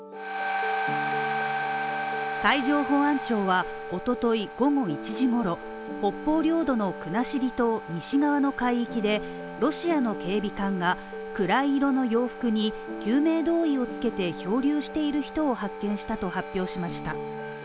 海上保安庁は、おととい午後１時ごろ北方領土の国後島西側の海域でロシアの警備艦が暗い色の洋服に救命胴衣を着けて漂流している人を発見したと発表しました。